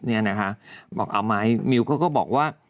เขาออกมาให้มิวก็มีวบอกว่า